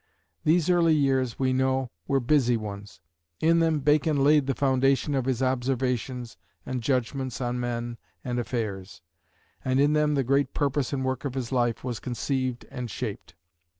These early years, we know, were busy ones. In them Bacon laid the foundation of his observations and judgments on men and affairs; and in them the great purpose and work of his life was conceived and shaped.